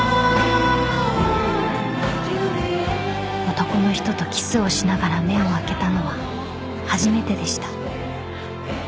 ［男の人とキスをしながら目を開けたのは初めてでした］